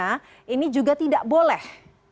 karena ini juga tidak boleh